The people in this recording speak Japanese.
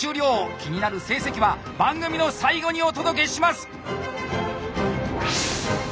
気になる成績は番組の最後にお届けします！